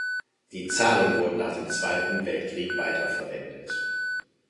Die Zahlen wurden nach dem Zweiten Weltkrieg weiterverwendet.